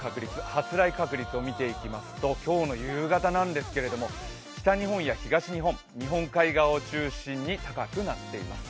発雷確率を見ていきますと今日の夕方なんですけれども、北日本や東日本、日本海側を中心に高くなっています。